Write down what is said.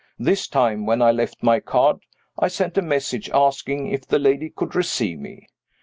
This time, when I left my card, I sent a message, asking if the lady could receive me.